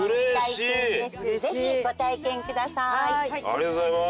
ありがとうございます。